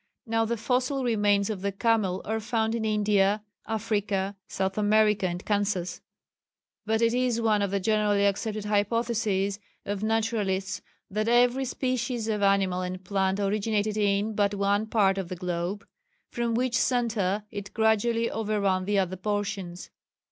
Now the fossil remains of the camel are found in India, Africa, South America and Kansas: but it is one of the generally accepted hypotheses of naturalists that every species of animal and plant originated in but one part of the globe, from which centre it gradually overran the other portions.